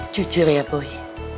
jujur ya boy